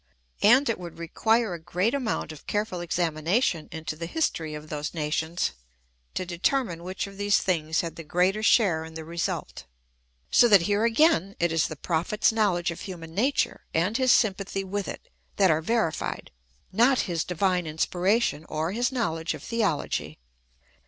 And it would require a great amount of careful examination into the history of those nations to determine which of these things had the greater share in the result. So that here again it is the Prophet's knowledge of human nature, and his sympathy with it, that are verified ; not his divine inspiration, or his knowledge of theology.